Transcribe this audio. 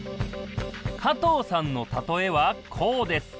加藤さんのたとえはこうです。